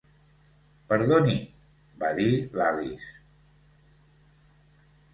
"Perdoni?", va dir l'Alice.